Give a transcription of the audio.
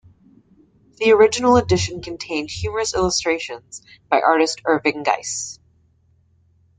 The original edition contained humorous illustrations by artist Irving Geis.